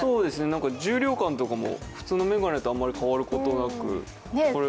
重量感とかも普通の眼鏡とあまり変わることなく、着けやすいです。